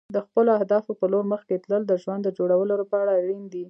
د خپلو اهدافو په لور مخکې تلل د ژوند د جوړولو لپاره اړین دي.